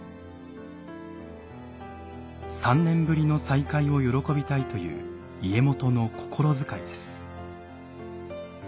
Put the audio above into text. ３年ぶりの再会を喜びたいという家元の心遣いです。